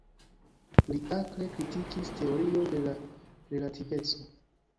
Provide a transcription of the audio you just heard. Li akre kritikis teorio de la relativeco.